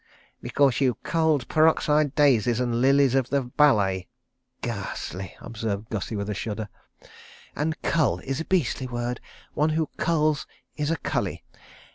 "Because you culled Peroxide Daisies and Lilies of the Ballet." "Ghastly," observed Gussie, with a shudder. "And cull is a beastly word. One who culls is a cully.